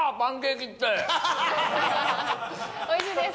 おいしいですか？